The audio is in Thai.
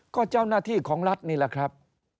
ก็เจ้าหน้าที่ของรัฐนี่แหละครับ